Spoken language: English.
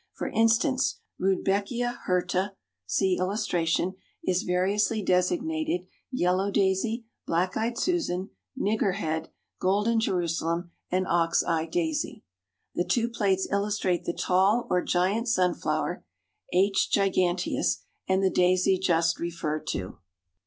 For instance, Rudbeckia hirta (see illustration) is variously designated yellow daisy, black eyed Susan, nigger head, golden Jerusalem and ox eye daisy. The two plates illustrate the tall or giant sunflower (H. giganteus) and the daisy just referred to.